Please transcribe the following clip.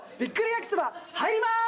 焼きそば入ります！